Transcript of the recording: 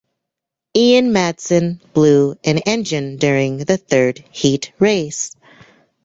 Ian Madsen blew an engine during the third heat race.